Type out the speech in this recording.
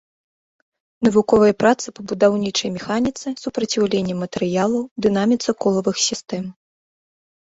Навуковыя працы па будаўнічай механіцы, супраціўленні матэрыялаў, дынаміцы колавых сістэм.